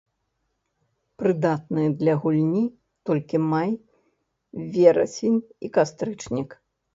Прыдатныя для гульні толькі май, верасень і кастрычнік.